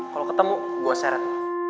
kalo ketemu gue seret